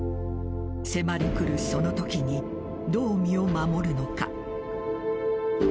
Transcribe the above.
迫りくるその時にどう身を守るのか。